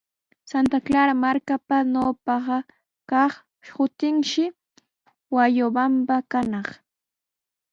Santa Clara markapa ñawpa kaq shutinshi Huayobamba kanaq.